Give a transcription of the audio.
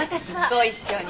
ご一緒に。